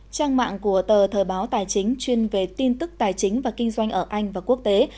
trang mạng của tờ thời báo tài chính chuyên về tin tức tài chính và kinh doanh ở anh và quốc tế